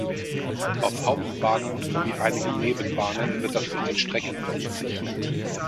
Auf Hauptbahnen sowie einigen Nebenbahnen wird das durch den Streckenblock gesichert.